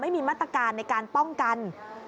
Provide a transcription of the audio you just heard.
ไม่มีมาตรการในการป้องกัน